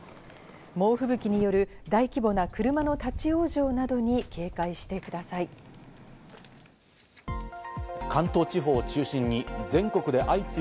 猛吹雪による大規模な車の立ち往生などに警戒してください。